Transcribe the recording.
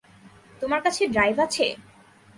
তোমার কাছে ড্রাইভ আছে?